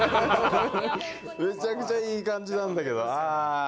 めちゃくちゃいい感じなんだけどな、あー。